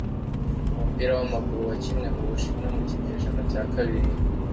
umupira wamaguru wakinwe mubushinwa mu kinyejana cya kabiri